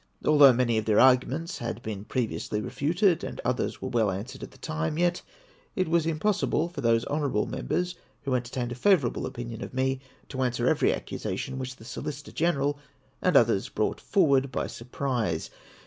Although many of their arguments had been previously re futed, and others were well answered at the time, yet it was impossible for those honourable Members who enter tained a favourable opinion of me to answer every accusation Avhich the Solicitor Greneral and others brought forward by surprise.